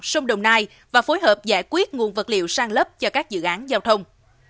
sông đồng nai và phối hợp giải quyết nguồn vật liệu sang lấp cho các dự án giao thông